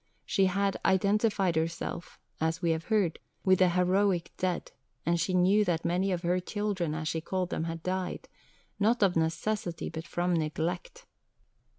She had "identified herself," as we have heard, "with the heroic dead," and she knew that many of her "children," as she called them, had died, not of necessity, but from neglect.